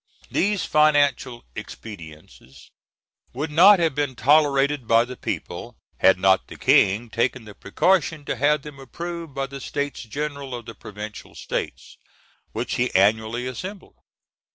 These financial expedients would not have been tolerated by the people had not the King taken the précaution to have them approved by the States General of the provincial states, which he annually assembled.